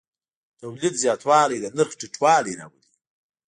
د تولید زیاتوالی د نرخ ټیټوالی راولي.